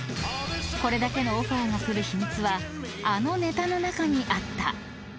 ［これだけのオファーが来る秘密はあのネタの中にあった］